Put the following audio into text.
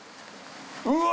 うわ！